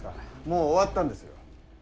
もう終わったんですよ。